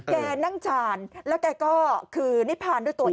แกนั่งชาญแล้วแกก็คือนิพานด้วยตัวเอง